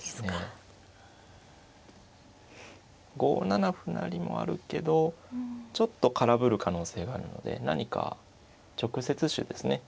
５七歩成もあるけどちょっと空振る可能性があるので何か直接手ですね